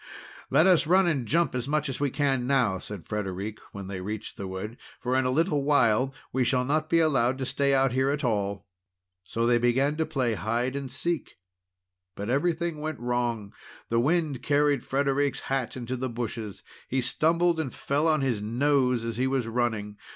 "Let us run and jump as much as we can now," said Frederic, when they reached the wood, "for in a little while we shall not be allowed to stay out here at all!" So they began to play hide and seek, but everything went wrong. The wind carried Frederic's hat into the bushes. He stumbled and fell on his nose as he was running.